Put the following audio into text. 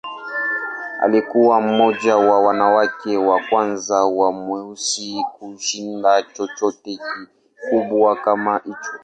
Alikuwa mmoja wa wanawake wa kwanza wa weusi kushinda chochote kikubwa kama hicho.